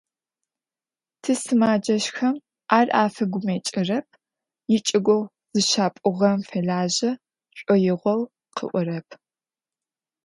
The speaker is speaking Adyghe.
Тисымэджэщхэм ар афэгумэкӏрэп, ичӏыгоу зыщапӏугъэм фэлажьэ шӏоигъоу къыӏорэп.